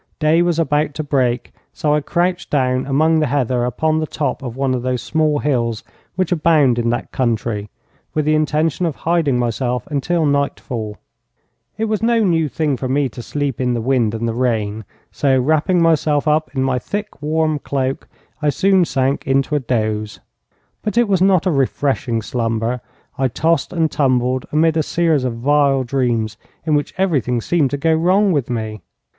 Day was about to break, so I crouched down among the heather upon the top of one of those small hills which abound in that country, with the intention of hiding myself until nightfall. It was no new thing for me to sleep in the wind and the rain, so, wrapping myself up in my thick warm cloak, I soon sank into a doze. But it was not a refreshing slumber. I tossed and tumbled amid a series of vile dreams, in which everything seemed to go wrong with me.